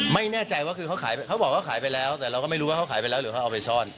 ไม่แน่ใจว่าคือเขาขายเขาบอกว่าขายไปแล้วแต่เราก็ไม่รู้ว่าเขาขายไปแล้วหรือเขาเอาไปซ่อน